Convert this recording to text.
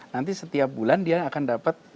nanti setiap bulan dia akan dapat